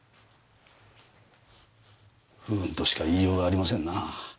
不運としか言いようがありませんな。